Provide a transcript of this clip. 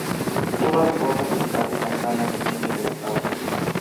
Tuvo poca publicidad en las salas de cines en los Estados Unidos.